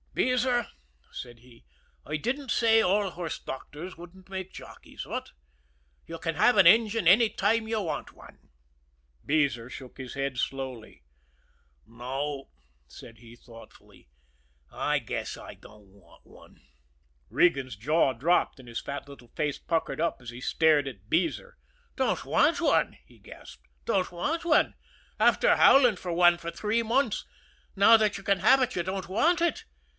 "Beezer," said he, "I didn't say all horse doctors wouldn't make jockeys what? You can have an engine any time you want one." Beezer shook his head slowly. "No," said he thoughtfully; "I guess I don't want one." Regan's jaw dropped, and his fat little face puckered up as he stared at Beezer. "Don't want one!" he gasped. "Don't want one! After howling for one for three months, now that you can have it, you don't want it!